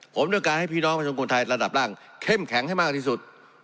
ผมต้องการให้พี่น้องประชาชนคนไทยระดับล่างเข้มแข็งให้มากที่สุด